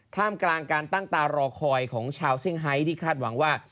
ท่ามกลางการตั้งตารอคอยของชาวเซี่ยงไฮที่คาดหวังว่า